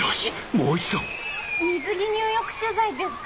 もう一度水着入浴取材ですか？